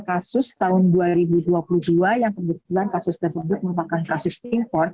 kasus tahun dua ribu dua puluh dua yang kebetulan kasus tersebut merupakan kasus import